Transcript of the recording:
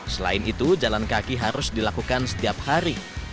selain itu jalan kaki harus dilakukan setiap hari